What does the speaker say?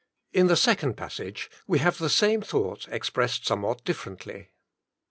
In the second passage, we have the same thought expressed somewhat differently.